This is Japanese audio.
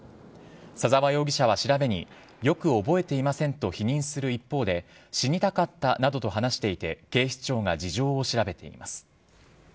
左沢容疑者は、調べによく覚えていませんと否認する一方で死にたかったなどと話していて警視庁が事情を調べています。